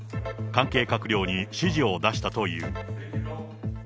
関係閣僚に指示を出したという。